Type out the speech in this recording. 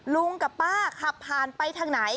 ลุงกับป้าขับผ่านไปทางไหน